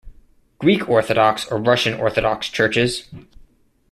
Greek Orthodox or Russian Orthodox churches.